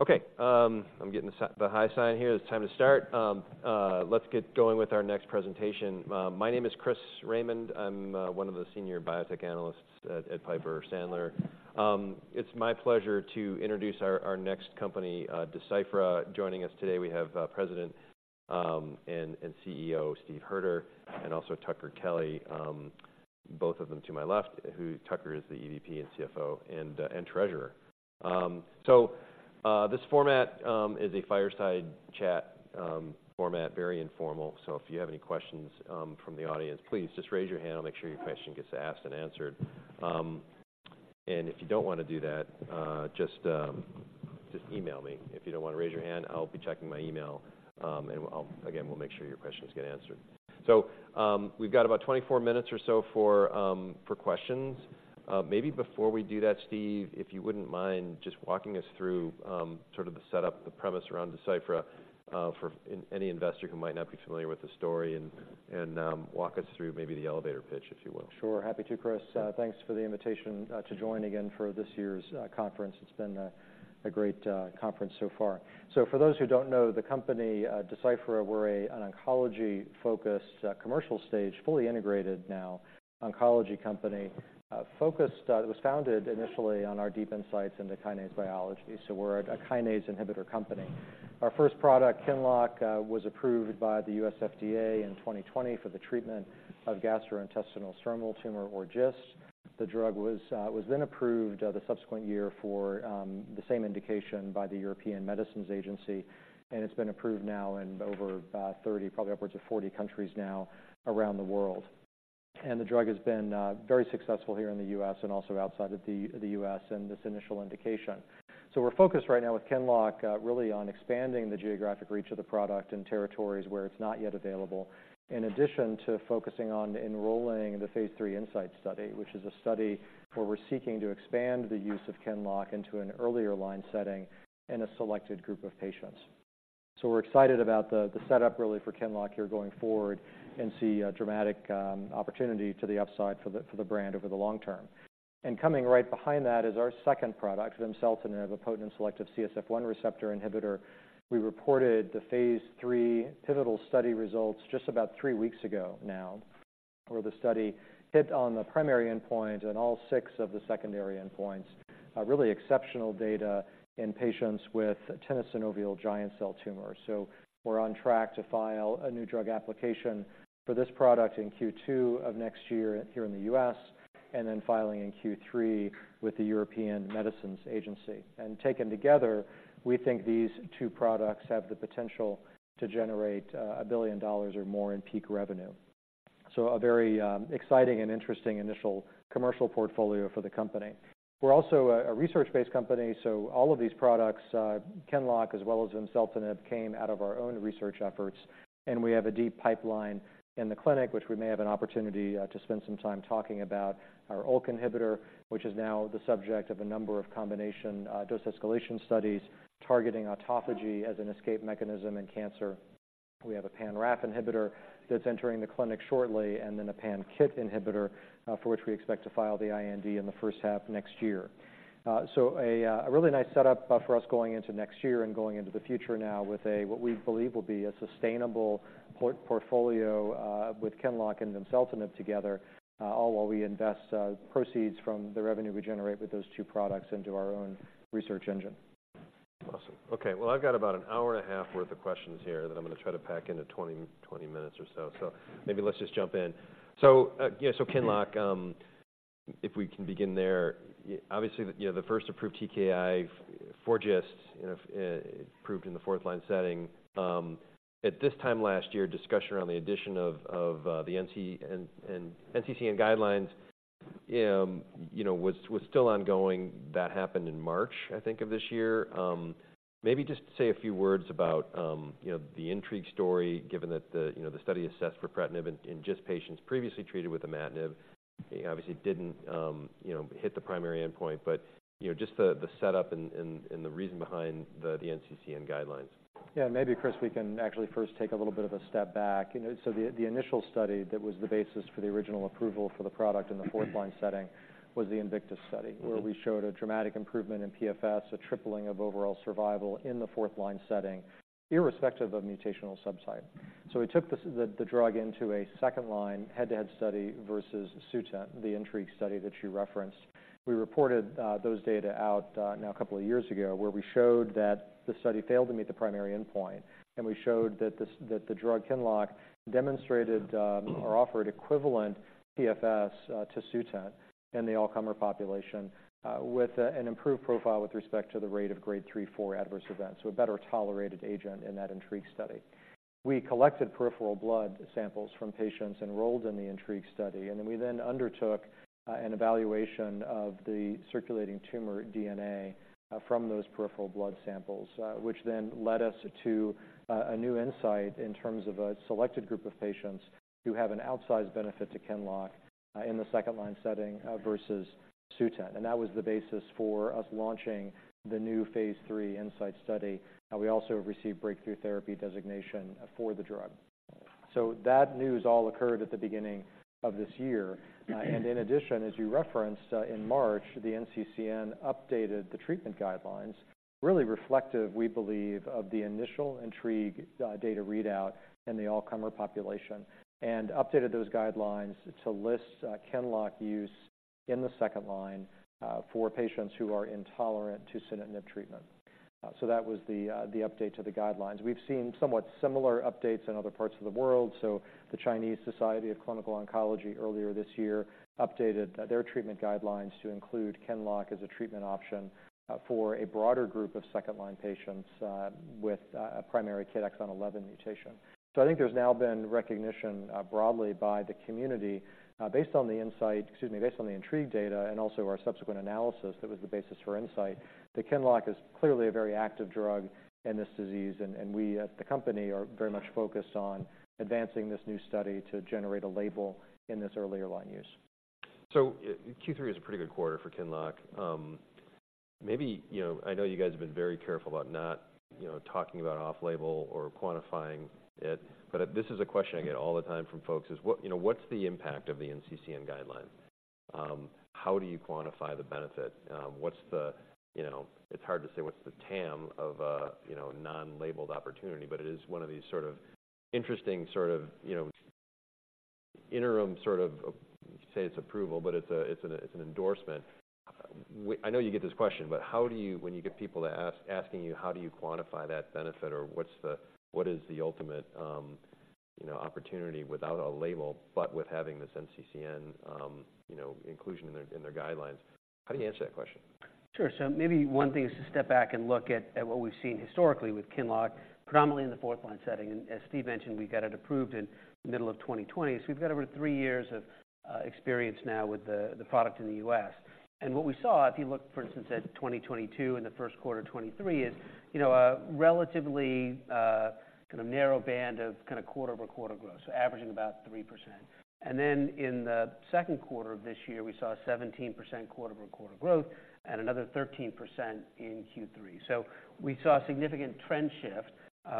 Okay, I'm getting the high sign here. It's time to start. Let's get going with our next presentation. My name is Chris Raymond. I'm one of the senior biotech analysts at Piper Sandler. It's my pleasure to introduce our next company, Deciphera. Joining us today, we have President and CEO, Steve Hoerter, and also Tucker Kelly, both of them to my left, who Tucker is the EVP, CFO, and Treasurer. So this format is a fireside chat format, very informal. So if you have any questions from the audience, please just raise your hand. I'll make sure your question gets asked and answered. And if you don't wanna do that, just email me. If you don't wanna raise your hand, I'll be checking my email, and we'll again, we'll make sure your questions get answered. So, we've got about 24 minutes or so for, for questions. Maybe before we do that, Steve, if you wouldn't mind just walking us through, sort of the setup, the premise around Deciphera, for any investor who might not be familiar with the story, and, and, walk us through maybe the elevator pitch, if you will. Sure. Happy to, Chris. Thanks for the invitation to join again for this year's conference. It's been a great conference so far. So for those who don't know, the company, Deciphera, we're an oncology-focused, commercial stage, fully integrated now, oncology company, focused... It was founded initially on our deep insights into kinase biology, so we're a kinase inhibitor company. Our first product, QINLOCK, was approved by the US FDA in 2020 for the treatment of gastrointestinal stromal tumor, or GIST. The drug was then approved the subsequent year for the same indication by the European Medicines Agency, and it's been approved now in over about 30, probably upwards of 40 countries now around the world. The drug has been very successful here in the U.S. and also outside of the U.S. in this initial indication. So we're focused right now with QINLOCK really on expanding the geographic reach of the product in territories where it's not yet available, in addition to focusing on enrolling the phase III INSIGHT study, which is a study where we're seeking to expand the use of QINLOCK into an earlier line setting in a selected group of patients. So we're excited about the setup really for QINLOCK here going forward and see a dramatic opportunity to the upside for the brand over the long term. And coming right behind that is our second product, vimseltinib, a potent selective CSF1 receptor inhibitor. We reported the phase III pivotal study results just about three weeks ago now, where the study hit on the primary endpoint and all six of the secondary endpoints. Really exceptional data in patients with tenosynovial giant cell tumor. So we're on track to file a new drug application for this product in Q2 of next year here in the U.S., and then filing in Q3 with the European Medicines Agency. Taken together, we think these two products have the potential to generate $1 billion or more in peak revenue. So a very exciting and interesting initial commercial portfolio for the company. We're also a research-based company, so all of these products, QINLOCK as well as vimseltinib, came out of our own research efforts, and we have a deep pipeline in the clinic, which we may have an opportunity to spend some time talking about. Our ULK inhibitor, which is now the subject of a number of combination dose escalation studies, targeting autophagy as an escape mechanism in cancer. We have a pan-RAF inhibitor that's entering the clinic shortly, and then a pan-KIT inhibitor for which we expect to file the IND in the first half of next year. So, a really nice setup for us going into next year and going into the future now with what we believe will be a sustainable portfolio with QINLOCK and vimseltinib together, all while we invest proceeds from the revenue we generate with those two products into our own research engine. Awesome. Okay, well, I've got about an hour and a half worth of questions here that I'm gonna try to pack into 20-20 minutes or so. So maybe let's just jump in. So, yeah, so QINLOCK, if we can begin there. Obviously, you know, the first approved TKI for GIST, you know, approved in the fourth-line setting. At this time last year, discussion around the addition of the NCCN guidelines, you know, was still ongoing. That happened in March, I think, of this year. Maybe just say a few words about, you know, the INTRIGUE study, given that the, you know, the study assessed ripretinib in GIST patients previously treated with imatinib. It obviously didn't, you know, hit the primary endpoint, but, you know, just the setup and the reason behind the NCCN guidelines. Yeah, maybe, Chris, we can actually first take a little bit of a step back. You know, so the initial study that was the basis for the original approval for the product in the fourth-line setting was the INVICTUS study- Mm-hmm. where we showed a dramatic improvement in PFS, a tripling of overall survival in the fourth-line setting, irrespective of mutational subtype. So we took this, the drug into a second-line head-to-head study versus Sutent, the INTRIGUE study that you referenced. We reported those data out now a couple of years ago, where we showed that the study failed to meet the primary endpoint, and we showed that the drug, QINLOCK, demonstrated or offered equivalent PFS to Sutent in the all-comer population with an improved profile with respect to the rate of Grade 3, 4 adverse events, so a better-tolerated agent in that INTRIGUE study. We collected peripheral blood samples from patients enrolled in the INTRIGUE study, and then we undertook an evaluation of the circulating tumor DNA from those peripheral blood samples, which then led us to a new insight in terms of a selected group of patients who have an outsized benefit to QINLOCK in the second-line setting versus Sutent. And that was the basis for us launching the new Phase III INSIGHT study. We also received Breakthrough Therapy Designation for the drug. So that news all occurred at the beginning of this year. In addition, as you referenced, in March, the NCCN updated the treatment guidelines, really reflective, we believe, of the initial INTRIGUE data readout in the all-comer population, and updated those guidelines to list QINLOCK use in the second-line for patients who are intolerant to sunitinib treatment. So that was the update to the guidelines. We've seen somewhat similar updates in other parts of the world. So the Chinese Society of Clinical Oncology earlier this year updated their treatment guidelines to include QINLOCK as a treatment option for a broader group of second-line patients with a primary KIT exon 11 mutation. So I think there's now been recognition broadly by the community based on the insight... Excuse me, based on the INTRIGUE data and also our subsequent analysis, that was the basis for insight that QINLOCK is clearly a very active drug in this disease, and we at the company are very much focused on advancing this new study to generate a label in this earlier line use. So Q3 is a pretty good quarter for QINLOCK. Maybe, you know, I know you guys have been very careful about not, you know, talking about off-label or quantifying it, but this is a question I get all the time from folks, is what, you know, what's the impact of the NCCN guideline? How do you quantify the benefit? What's the... You know, it's hard to say what's the TAM of a, you know, non-labeled opportunity, but it is one of these sort of interesting, sort of, you know, interim, sort of, say, it's approval, but it's a, it's an endorsement. I know you get this question, but how do you. When you get people to ask, asking you, how do you quantify that benefit? Or what is the ultimate, you know, opportunity without a label, but with having this NCCN, you know, inclusion in their guidelines? How do you answer that question? Sure. So maybe one thing is to step back and look at what we've seen historically with QINLOCK, predominantly in the fourth line setting. And as Steve mentioned, we got it approved in the middle of 2020. So we've got over three years of experience now with the product in the U.S. And what we saw, if you look, for instance, at 2022 and the first quarter of 2023, is, you know, a relatively kind of narrow band of kind of quarter-over-quarter growth, so averaging about 3%. And then in the second quarter of this year, we saw a 17% quarter-over-quarter growth and another 13% in Q3. So we saw a significant trend shift.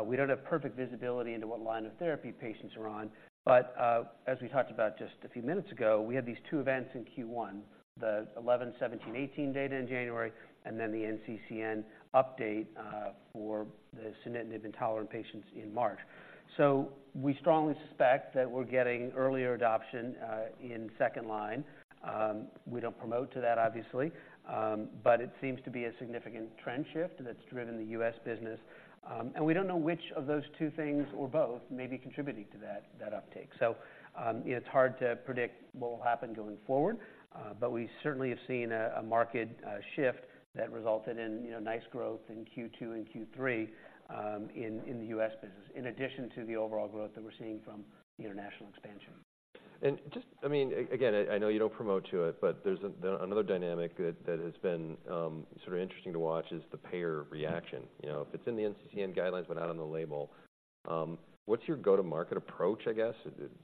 We don't have perfect visibility into what line of therapy patients are on, but as we talked about just a few minutes ago, we had these two events in Q1, the 11, 17, 18 data in January, and then the NCCN update for the sunitinib-intolerant patients in March. So we strongly suspect that we're getting earlier adoption in second line. We don't promote to that obviously, but it seems to be a significant trend shift that's driven the US business. And we don't know which of those two things, or both, may be contributing to that, that uptake. So, it's hard to predict what will happen going forward, but we certainly have seen a market shift that resulted in, you know, nice growth in Q2 and Q3, in the US business, in addition to the overall growth that we're seeing from the international expansion. And just, I mean, again, I know you don't promote to it, but there's another dynamic that has been sort of interesting to watch is the payer reaction. You know, if it's in the NCCN guidelines but not on the label, what's your go-to-market approach, I guess?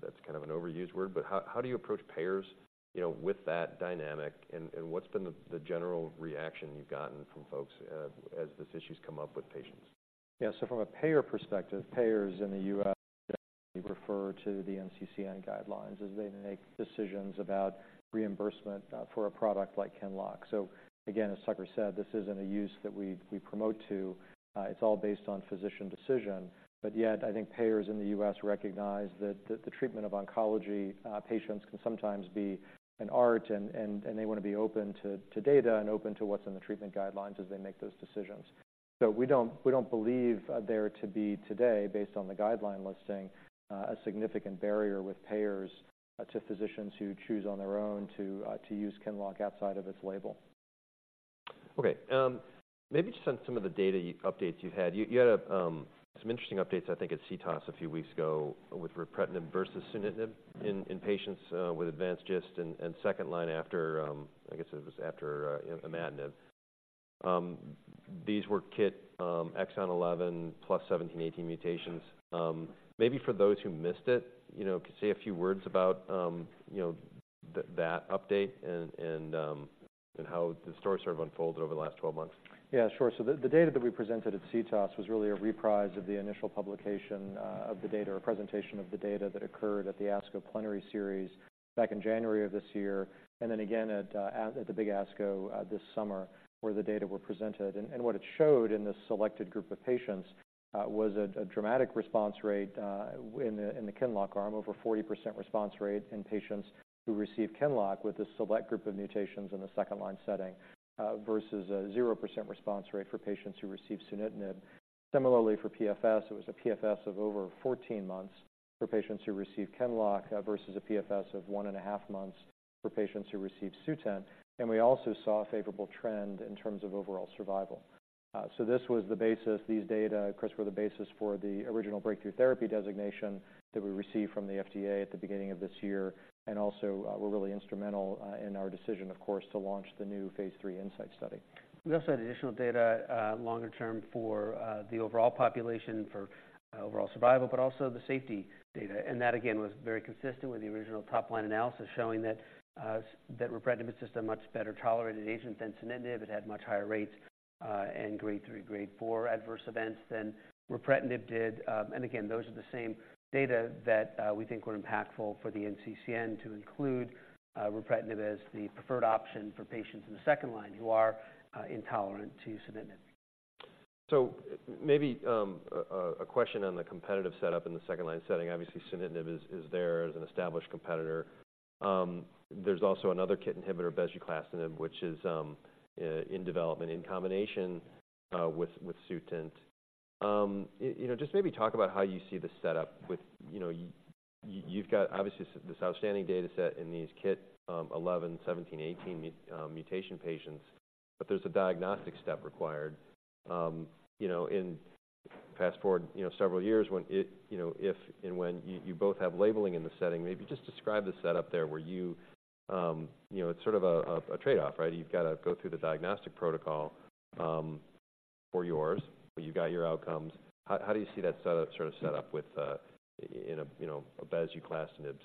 That's kind of an overused word, but how do you approach payers, you know, with that dynamic? And what's been the general reaction you've gotten from folks as these issues come up with patients? Yeah, so from a payer perspective, payers in the U.S. refer to the NCCN guidelines as they make decisions about reimbursement, for a product like QINLOCK. So again, as Tucker said, this isn't a use that we, we promote to. It's all based on physician decision. But yet, I think payers in the U.S. recognize that the, the treatment of oncology, patients can sometimes be an art, and, and, and they want to be open to, to data and open to what's in the treatment guidelines as they make those decisions. So we don't, we don't believe there to be today, based on the guideline listing, a significant barrier with payers to physicians who choose on their own to, to use QINLOCK outside of its label. Okay, maybe just on some of the data updates you've had. You had some interesting updates, I think, at CTOS a few weeks ago with ripretinib versus sunitinib in patients with advanced GIST and second line after, I guess it was after, imatinib. These were KIT exon 11 plus 17, 18 mutations. Maybe for those who missed it, you know, could you say a few words about, you know, that update and how the story sort of unfolded over the last 12 months? Yeah, sure. So the data that we presented at CTOS was really a reprise of the initial publication of the data, or presentation of the data that occurred at the ASCO Plenary Session series back in January of this year, and then again at the big ASCO this summer, where the data were presented. And what it showed in this selected group of patients was a dramatic response rate in the QINLOCK arm, over 40% response rate in patients who received QINLOCK with this select group of mutations in the second-line setting, versus a 0% response rate for patients who received sunitinib. Similarly, for PFS, it was a PFS of over 14 months for patients who received QINLOCK, versus a PFS of one and a half months for patients who received Sutent. We also saw a favorable trend in terms of overall survival. So this was the basis, these data, of course, were the basis for the original Breakthrough Therapy Designation that we received from the FDA at the beginning of this year, and also were really instrumental in our decision, of course, to launch the new phase III INSIGHT study. We also had additional data, longer term for the overall population, for overall survival, but also the safety data. And that, again, was very consistent with the original top-line analysis, showing that ripretinib is just a much better-tolerated agent than sunitinib. It had much higher rates and grade 3, grade 4 adverse events than ripretinib did. And again, those are the same data that we think were impactful for the NCCN to include ripretinib as the preferred option for patients in the second-line who are intolerant to sunitinib. ...So maybe a question on the competitive setup in the second-line setting. Obviously, sunitinib is there as an established competitor. There's also another KIT inhibitor, bezuclastinib, which is in development in combination with Sutent. You know, just maybe talk about how you see the setup with, you know—you've got obviously this outstanding data set in these KIT 11, 17, 18 mutation patients, but there's a diagnostic step required. You know, in fast-forward, you know, several years when it, you know, if and when you both have labeling in the setting, maybe just describe the setup there where you... You know, it's sort of a trade-off, right? You've got to go through the diagnostic protocol for yours, but you've got your outcomes. How do you see that setup sort of set up with, in a, you know, a bezuclastinib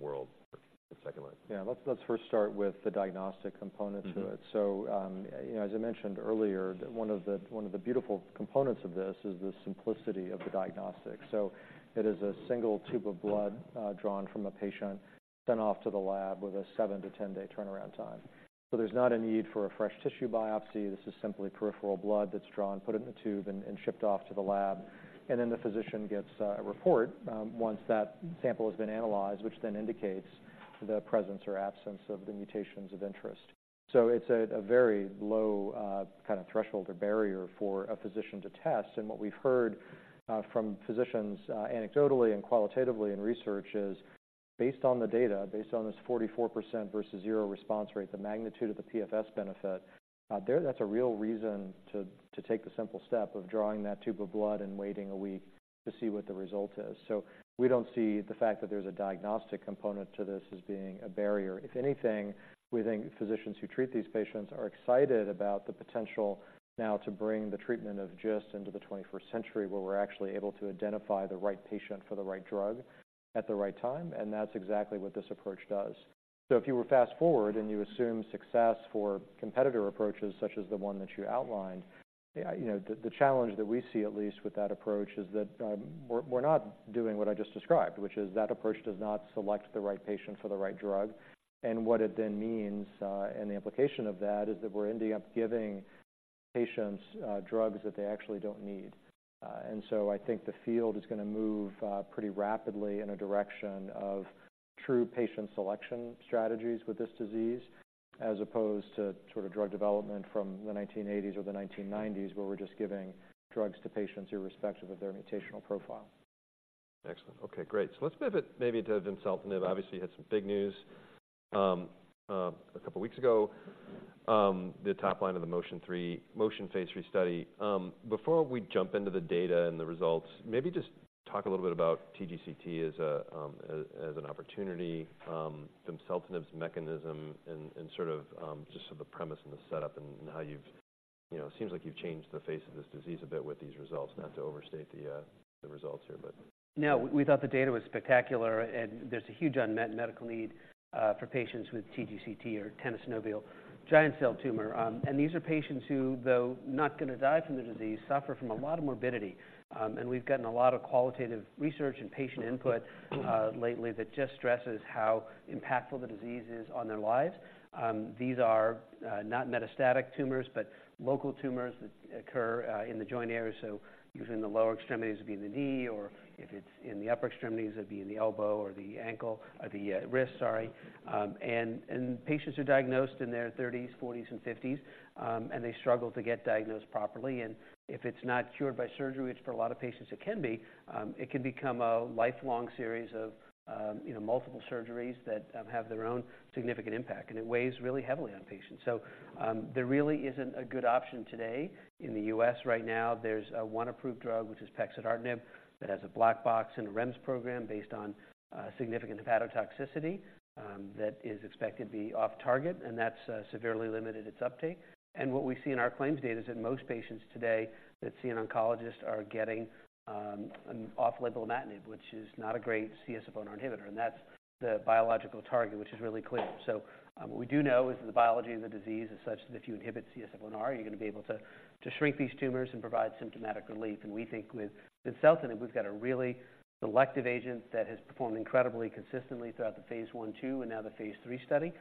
world for second line? Yeah. Let's first start with the diagnostic component to it. Mm-hmm. So, you know, as I mentioned earlier, that one of the beautiful components of this is the simplicity of the diagnostic. So it is a single tube of blood, drawn from a patient, sent off to the lab with a 7-10-day turnaround time. So there's not a need for a fresh tissue biopsy. This is simply peripheral blood that's drawn, put in a tube, and shipped off to the lab. And then the physician gets a report, once that sample has been analyzed, which then indicates the presence or absence of the mutations of interest. So it's a very low kind of threshold or barrier for a physician to test. What we've heard from physicians, anecdotally and qualitatively in research is based on the data, based on this 44% versus 0 response rate, the magnitude of the PFS benefit, there that's a real reason to, to take the simple step of drawing that tube of blood and waiting a week to see what the result is. We don't see the fact that there's a diagnostic component to this as being a barrier. If anything, we think physicians who treat these patients are excited about the potential now to bring the treatment of GIST into the twenty-first century, where we're actually able to identify the right patient for the right drug at the right time, and that's exactly what this approach does. So if you were to fast-forward and you assume success for competitor approaches, such as the one that you outlined, yeah, you know, the challenge that we see, at least with that approach, is that we're not doing what I just described, which is that approach does not select the right patient for the right drug. And what it then means, and the implication of that is that we're ending up giving patients drugs that they actually don't need. And so I think the field is gonna move pretty rapidly in a direction of true patient selection strategies with this disease, as opposed to sort of drug development from the 1980s or the 1990s, where we're just giving drugs to patients irrespective of their mutational profile. Excellent. Okay, great. So let's pivot maybe to vimseltinib. Mm-hmm. Obviously, you had some big news, a couple of weeks ago, the top line of the MOTION-3 phase III study. Before we jump into the data and the results, maybe just talk a little bit about TGCT as a, as, as an opportunity, vimseltinib's mechanism and, and sort of, just so the premise and the setup and, and how you've... You know, seems like you've changed the face of this disease a bit with these results. Not to overstate the, the results here but- No, we thought the data was spectacular, and there's a huge unmet medical need for patients with TGCT or tenosynovial giant cell tumor. And these are patients who, though not gonna die from the disease, suffer from a lot of morbidity. And we've gotten a lot of qualitative research and patient input lately that just stresses how impactful the disease is on their lives. These are not metastatic tumors, but local tumors that occur in the joint area, so usually in the lower extremities, it'd be in the knee, or if it's in the upper extremities, it'd be in the elbow or the ankle or the wrist, sorry. And patients are diagnosed in their thirties, forties, and fifties, and they struggle to get diagnosed properly. And if it's not cured by surgery, which for a lot of patients it can be, it can become a lifelong series of, you know, multiple surgeries that have their own significant impact, and it weighs really heavily on patients. So, there really isn't a good option today. In the U.S. right now, there's one approved drug, which is pexidartinib, that has a black box and a REMS program based on significant hepatotoxicity that is expected to be off target, and that's severely limited its uptake. And what we see in our claims data is that most patients today that see an oncologist are getting an off-label imatinib, which is not a great CSF1 inhibitor, and that's the biological target, which is really clear. What we do know is that the biology of the disease is such that if you inhibit CSF1R, you're gonna be able to shrink these tumors and provide symptomatic relief. We think with vimseltinib, we've got a really selective agent that has performed incredibly consistently throughout the phase I, II, and now the phase III study,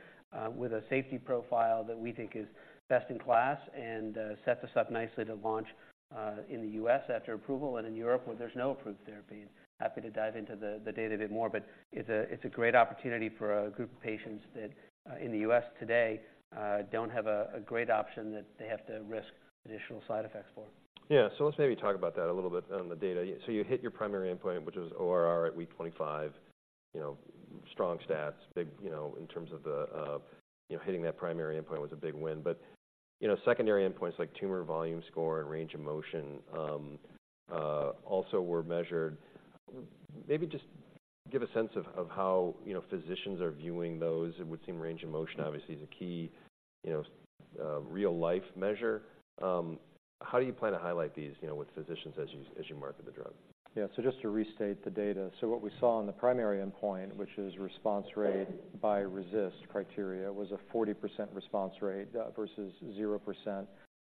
with a safety profile that we think is best in class and sets us up nicely to launch in the U.S. after approval and in Europe, where there's no approved therapy. Happy to dive into the data a bit more, but it's a great opportunity for a group of patients that in the U.S. today don't have a great option that they have to risk additional side effects for. Yeah. So let's maybe talk about that a little bit on the data. So you hit your primary endpoint, which was ORR at week 25, you know, strong stats, big, you know, in terms of the, you know, hitting that primary endpoint was a big win. But, you know, secondary endpoints like tumor volume score and range of motion also were measured. Maybe just give a sense of, of how, you know, physicians are viewing those. It would seem range of motion obviously is a key, you know, real-life measure. How do you plan to highlight these, you know, with physicians as you, as you market the drug? Yeah. So just to restate the data. So what we saw on the primary endpoint, which is response rate by RECIST criteria, was a 40% response rate versus 0%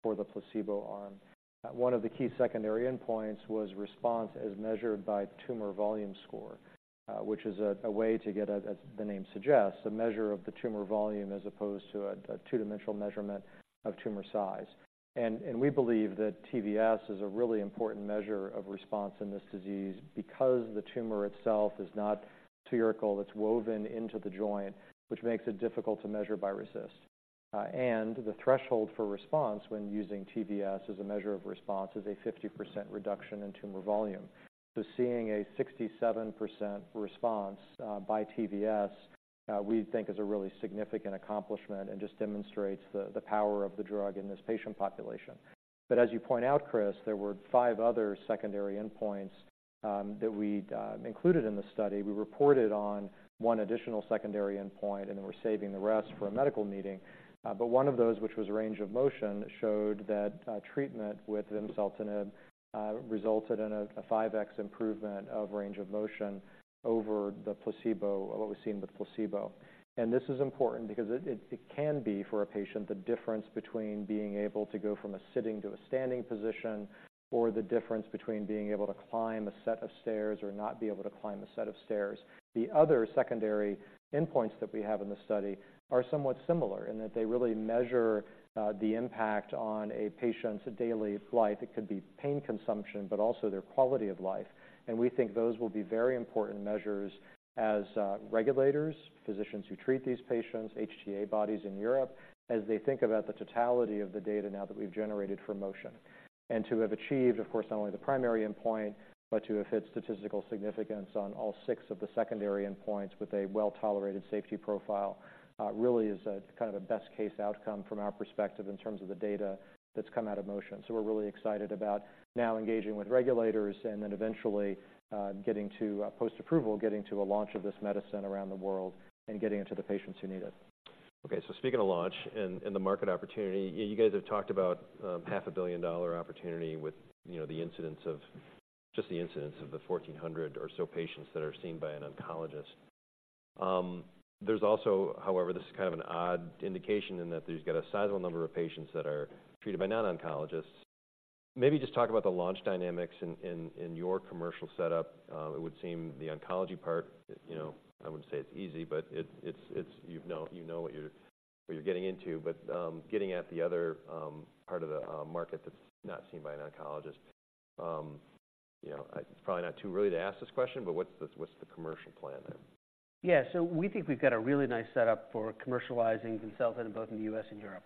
for the placebo arm. One of the key secondary endpoints was response as measured by Tumor Volume Score, which is a way to get, as the name suggests, a measure of the tumor volume as opposed to a two-dimensional measurement of tumor size. And we believe that TVS is a really important measure of response in this disease because the tumor itself is tumor that's woven into the joint, which makes it difficult to measure by RECIST. And the threshold for response when using TVS as a measure of response is a 50% reduction in tumor volume. So seeing a 67% response by TVS, we think is a really significant accomplishment and just demonstrates the, the power of the drug in this patient population. But as you point out, Chris, there were 5 other secondary endpoints that we included in the study. We reported on one additional secondary endpoint, and then we're saving the rest for a medical meeting. But one of those, which was range of motion, showed that treatment with vimseltinib resulted in a 5X improvement of range of motion over the placebo, or what we've seen with placebo. This is important because it can be, for a patient, the difference between being able to go from a sitting to a standing position, or the difference between being able to climb a set of stairs or not be able to climb a set of stairs. The other secondary endpoints that we have in the study are somewhat similar in that they really measure the impact on a patient's daily life. It could be pain consumption, but also their quality of life, and we think those will be very important measures as regulators, physicians who treat these patients, HTA bodies in Europe, as they think about the totality of the data now that we've generated for motion. And to have achieved, of course, not only the primary endpoint, but to have hit statistical significance on all six of the secondary endpoints with a well-tolerated safety profile, really is a kind of a best-case outcome from our perspective in terms of the data that's come out of MOTION. So we're really excited about now engaging with regulators and then eventually, getting to, post-approval, getting to a launch of this medicine around the world and getting it to the patients who need it. Okay, so speaking of launch and the market opportunity, you guys have talked about $500 million opportunity with, you know, the incidence of... Just the incidence of the 1,400 or so patients that are seen by an oncologist. There's also, however, this is kind of an odd indication in that there's got a sizable number of patients that are treated by non-oncologists. Maybe just talk about the launch dynamics in your commercial setup. It would seem the oncology part, you know, I wouldn't say it's easy, but it, it's you've known—you know what you're getting into. But getting at the other part of the market that's not seen by an oncologist, you know, it's probably not too really to ask this question, but what's the commercial plan there? Yeah. So we think we've got a really nice setup for commercializing vimseltinib, both in the U.S. and Europe.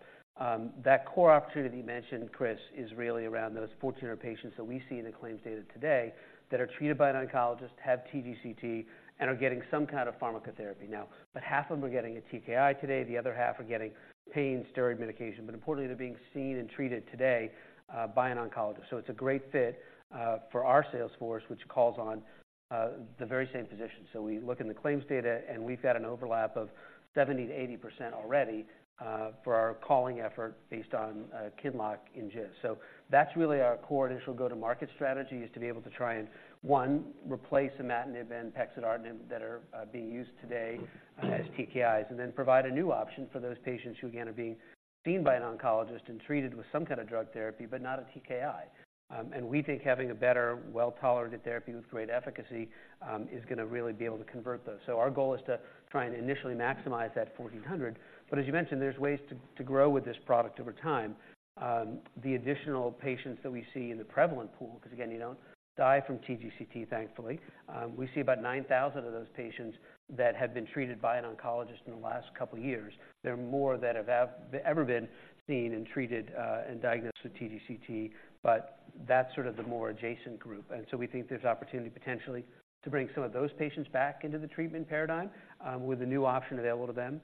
That core opportunity you mentioned, Chris, is really around those 1,400 patients that we see in the claims data today that are treated by an oncologist, have TGCT, and are getting some kind of pharmacotherapy now. But half of them are getting a TKI today, the other half are getting pain, steroid medication. But importantly, they're being seen and treated today by an oncologist. So it's a great fit for our sales force, which calls on the very same physicians. So we look in the claims data, and we've got an overlap of 70%-80% already for our calling effort based on KOLs in GIST. So that's really our core initial go-to-market strategy, is to be able to try and, one, replace imatinib and pexidartinib that are being used today as TKIs, and then provide a new option for those patients who, again, are being seen by an oncologist and treated with some kind of drug therapy, but not a TKI. And we think having a better, well-tolerated therapy with great efficacy is gonna really be able to convert those. So our goal is to try and initially maximize that 1,400. But as you mentioned, there's ways to grow with this product over time. The additional patients that we see in the prevalent pool, because, again, you don't die from TGCT, thankfully. We see about 9,000 of those patients that have been treated by an oncologist in the last couple of years. There are more that have ever been seen and treated, and diagnosed with TGCT, but that's sort of the more adjacent group. And so we think there's opportunity potentially to bring some of those patients back into the treatment paradigm, with a new option available to them.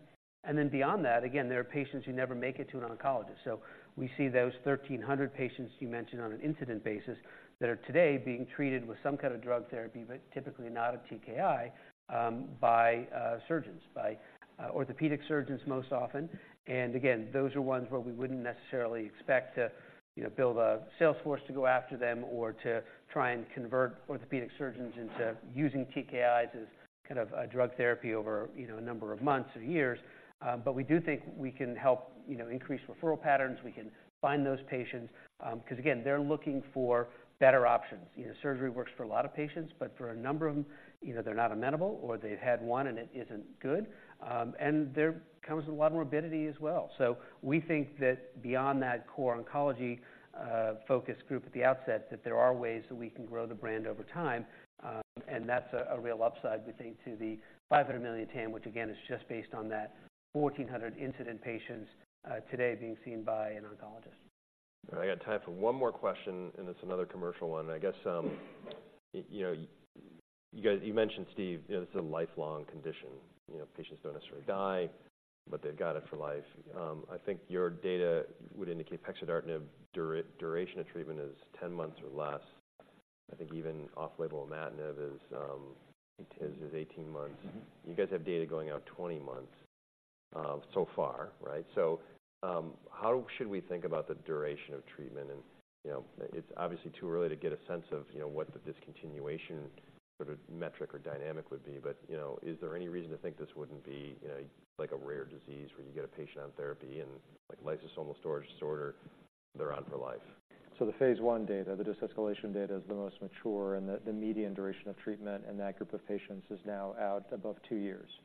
And then beyond that, again, there are patients who never make it to an oncologist. So we see those 1,300 patients you mentioned on an incident basis that are today being treated with some kind of drug therapy, but typically not a TKI, by surgeons, by orthopedic surgeons most often. And again, those are ones where we wouldn't necessarily expect to, you know, build a sales force to go after them or to try and convert orthopedic surgeons into using TKIs as kind of a drug therapy over, you know, a number of months or years. But we do think we can help, you know, increase referral patterns. We can find those patients, because again, they're looking for better options. You know, surgery works for a lot of patients, but for a number of them, either they're not amenable, or they've had one, and it isn't good, and there comes a lot of morbidity as well. So we think that beyond that core oncology, focus group at the outset, that there are ways that we can grow the brand over time, and that's a real upside, we think, to the $500 million TAM, which again, is just based on that 1,400 incident patients, today being seen by an oncologist. I got time for one more question, and it's another commercial one, I guess. You know, you guys, you mentioned, Steve, you know, this is a lifelong condition. You know, patients don't necessarily die, but they've got it for life. I think your data would indicate pexidartinib duration of treatment is 10 months or less. I think even off-label imatinib is 18 months. Mm-hmm. You guys have data going out 20 months, so far, right? So, how should we think about the duration of treatment? And, you know, it's obviously too early to get a sense of, you know, what the discontinuation sort of metric or dynamic would be. But, you know, is there any reason to think this wouldn't be, you know, like a rare disease where you get a patient on therapy and, like lysosomal storage disorder, they're on for life? So the phase I data, the de-escalation data, is the most mature, and the median duration of treatment in that group of patients is now out above two years, so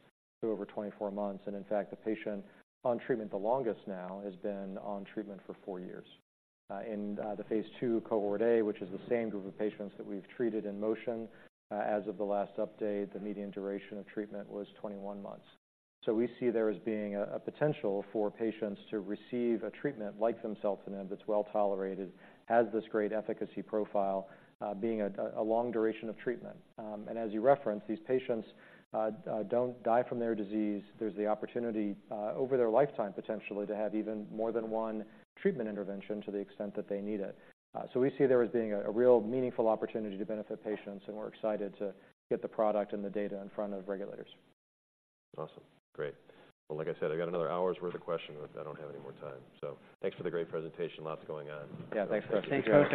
over 24 months. And in fact, the patient on treatment the longest now has been on treatment for four years. In the phase II cohort A, which is the same group of patients that we've treated in MOTION, as of the last update, the median duration of treatment was 21 months. So we see there as being a potential for patients to receive a treatment like vimseltinib that's well-tolerated, has this great efficacy profile, being a long duration of treatment. And as you referenced, these patients don't die from their disease. There's the opportunity, over their lifetime, potentially, to have even more than one treatment intervention to the extent that they need it. So we see there as being a real meaningful opportunity to benefit patients, and we're excited to get the product and the data in front of regulators. Awesome. Great. Well, like I said, I got another hour's worth of questions, but I don't have any more time. So thanks for the great presentation. Lots going on. Yeah, thanks, Chris. Thanks, Chris.